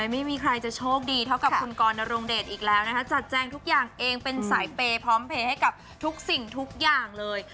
ไม่มีใครจะโชคดีเท่ากับคุณกรนรงเดชอีกแล้วนะคะจัดแจงทุกอย่างเองเป็นสายเปย์พร้อมเพลย์ให้กับทุกสิ่งทุกอย่างเลย